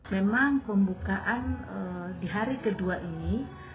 memang pembukaan di hari kedua ini